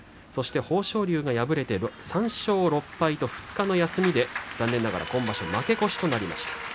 豊昇龍は敗れて３勝６敗と２日の休みで残念ながら今場所負け越しとなりました。